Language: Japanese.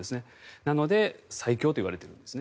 なので、最恐と言われているんです。